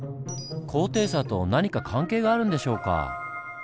高低差と何か関係があるんでしょうか？